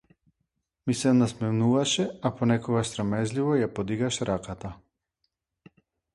Ми се насмевнуваше, а понекогаш срамежливо ја подигнуваше раката.